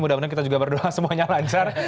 mudah mudahan kita juga berdoa semuanya lancar